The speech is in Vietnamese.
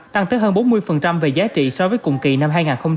tăng tới hơn bốn mươi về giá trị so với cùng kỳ năm hai nghìn hai mươi ba